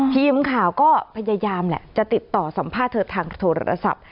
ทีมข่าวก็พยายามแหละจะติดต่อสัมภาษณ์เธอทางโทรศัพท์